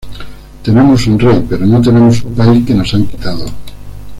Tenemos un rey, pero no tenemos un país, que nos han quitado".